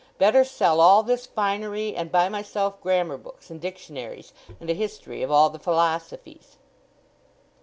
Better sell all this finery and buy myself grammar books and dictionaries and a history of all the philosophies!"